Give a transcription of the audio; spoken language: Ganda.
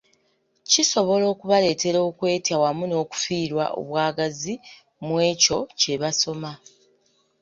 Kisobola okubaleetera okwetya wamu n’okufiirwa obwagazi mu ekyo kye basoma.